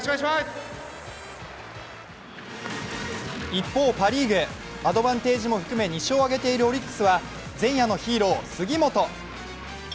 一方、パ・リーグ、アドバンテージも含め２勝を挙げているオリックスは前夜のヒーロー杉本。